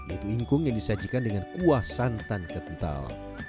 yaitu ingkung yang disajikan dengan kuah santan kental